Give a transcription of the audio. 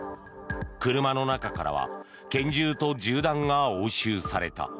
車の中からは拳銃と銃弾が押収された。